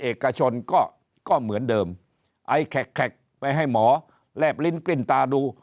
เอกชนก็ก็เหมือนเดิมไอแขกไปให้หมอแลบลิ้นกลิ้นตาดู